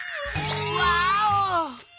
ワーオ！